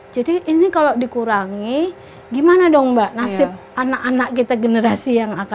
jadi ini kalau dikurangi gimana dong mbak nasib anak anak kita generasinya ya